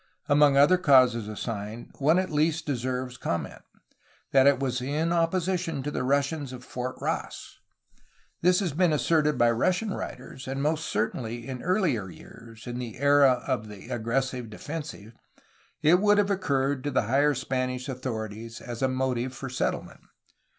Among other causes assigned, one at least deserves comment : that it was in opposition to the Russians of Fort Ross. This has been asserted by Russian writers, and most certainly in earlier years (in the era of the "aggres sive defensive") it would have occurred to the higher Spanish INLAND EXPLORATIONS AND INDIAN WARS 431 authorities as a motive for settlement.